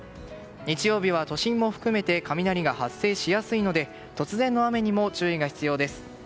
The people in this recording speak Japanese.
日曜日は都心も含めて雷が発生しやすいので突然の雨にも注意が必要です。